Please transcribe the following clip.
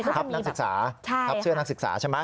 ทับนักศึกษาทับเสื้อนักศึกษาใช่ไหม